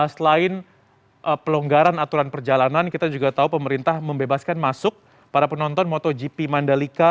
selain pelonggaran aturan perjalanan kita juga tahu pemerintah membebaskan masuk para penonton motogp mandalika